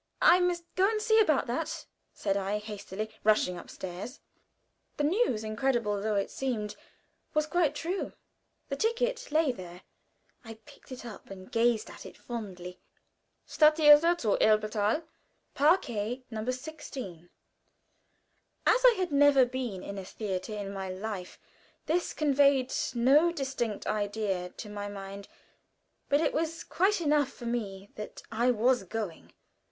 "I must go and see about that," said I, hastily rushing upstairs. The news, incredible though it seemed, was quite true. The ticket lay there. I picked it up and gazed at it fondly. Stadttheater zu Elberthal. Parquet, No. 16. As I had never been in a theater in my life, this conveyed no distinct idea to my mind, but it was quite enough for me that I was going.